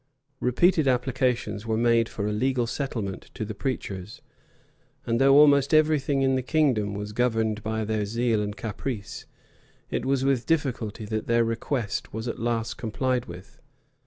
Repeated applications were made for a legal settlement to the preachers; and though almost every thing in the kingdom was governed by their zeal and caprice, it was with difficulty that their request was at last complied with.